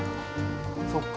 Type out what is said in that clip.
◆そっか。